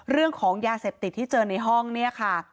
เรื่องของยาเสพติดที่เจอในห้องเนี่ยค่ะ